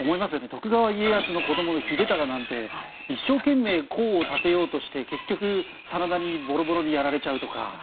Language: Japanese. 徳川家康の子供、秀忠なんて一生懸命、功を立てようとして結局、真田にボロボロにやられちゃうとか。